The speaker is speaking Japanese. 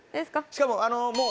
しかも。